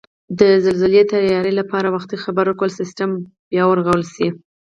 د زلزلې تیاري لپاره وختي خبرکولو سیستم بیاد ورغول شي